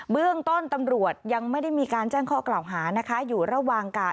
เบื้องต้นตำรวจยังไม่ได้มีการแจ้งข้อกล่าวหานะคะ